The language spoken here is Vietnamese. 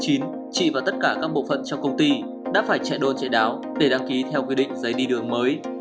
chị và tất cả các bộ phận trong công ty đã phải chạy đồn chạy đáo để đăng ký theo quy định giấy đi đường mới